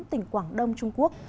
tỉnh quảng đông trung quốc